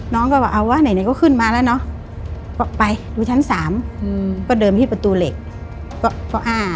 น้องก็บอกเอาว่าไหนก็ขึ้นมาแล้วเนอะบอกไปดูชั้น๓พอเดินไปที่ประตูเหล็ก